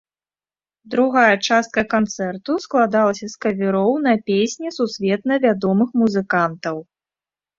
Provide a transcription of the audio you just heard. Другая частка канцэрту складалася з кавероў на песні сусветна вядомых музыкантаў.